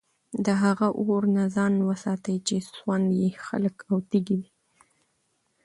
له هغه اور نه ځان وساتئ چي سوند ئې خلك او تيږي دي